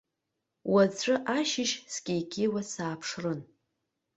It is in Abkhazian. Уаҵә ашьыжь скеикеиуа сааԥшрын.